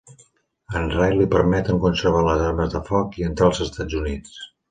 A en Ray li permeten conservar les armes de foc i entrar als Estats Units.